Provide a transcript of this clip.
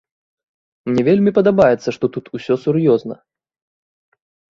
Мне вельмі падабаецца, што тут усё сур'ёзна.